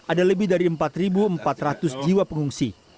ada lebih dari empat empat ratus jiwa pengungsi